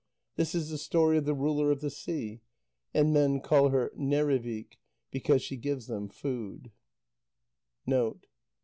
That is the story of the ruler of the sea. And men call her Nerrivik because she gives them food.